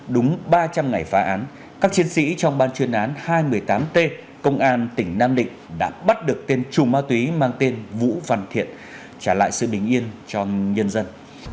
đúng ba trăm linh ngày phá án các chiến sĩ trong ban chuyên án hai trăm một mươi tám t công an tỉnh nam định đã bắt được tên trùm ma túy mang tên vũ văn thiện trả lại sự bình yên cho nhân dân